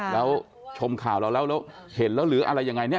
แล้วชมข่าวแล้วเห็นแล้วเหลืออะไรยังไง